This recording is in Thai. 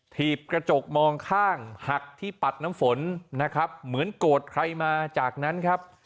ถีบกระจกมองข้างหักที่ปัดน้ำฝนนะครับเหมือนโกรธใครมาจากนั้นครับ